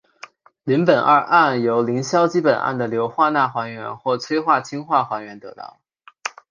邻苯二胺由邻硝基苯胺的硫化钠还原或催化氢化还原得到。